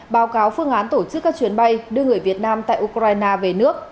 báo cáo phương án tổ chức các chuyến bay đưa người việt nam tại ukraine về nước